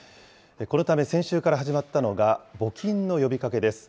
このため先週から始まったのが募金の呼びかけです。